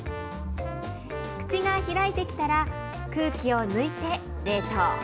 口が開いてきたら、空気を抜いて冷凍。